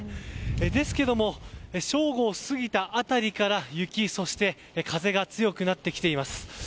ですけれども正午を過ぎた辺りから雪、そして風が強くなってきています。